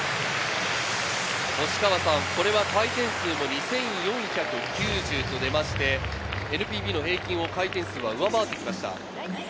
星川さん、これは回転数も２４９０と出まして、ＮＰＢの平均回転数を上回ってきました。